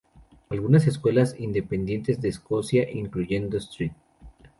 Algunas escuelas independientes de Escocia, incluyendo St.